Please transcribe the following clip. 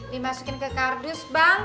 dimasukin ke kardus bang